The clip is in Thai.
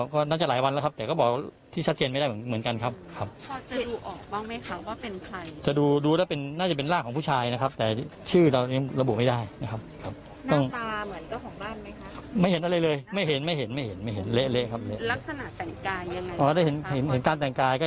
ก็เห็นเมืองต้นก็จะมีกางเกงยีนแล้วก็กิมขัดหนังนะครับ